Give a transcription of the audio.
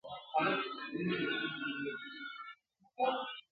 څرېدی به له سهاره تر ماښامه ..